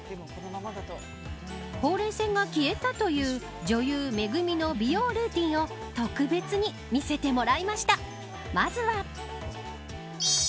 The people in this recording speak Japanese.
ほうれい線が消えたという女優ＭＥＧＵＭＩの美容ルーティンを特別に見せてもらいました。